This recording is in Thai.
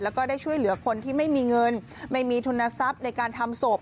แล้วก็ได้ช่วยเหลือคนที่ไม่มีเงินไม่มีทุนทรัพย์ในการทำศพ